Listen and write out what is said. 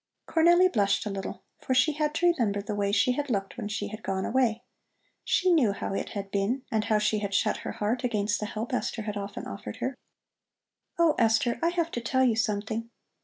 Cornelli blushed a little, for she had to remember the way she had looked when she had gone away. She knew how it had been and how she had shut her heart against the help Esther had often offered her. "Oh, Esther, I have to tell you something.